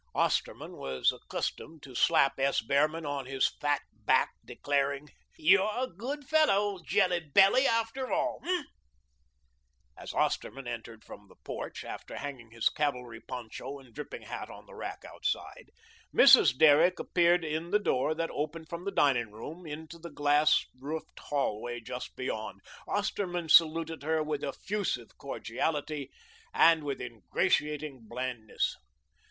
Osterman was accustomed to slap S. Behrman on his fat back, declaring: "You're a good fellow, old jelly belly, after all, hey?" As Osterman entered from the porch, after hanging his cavalry poncho and dripping hat on the rack outside, Mrs. Derrick appeared in the door that opened from the dining room into the glass roofed hallway just beyond. Osterman saluted her with effusive cordiality and with ingratiating blandness.